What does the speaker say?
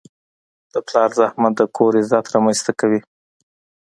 د پلار زحمت د کور عزت رامنځته کوي.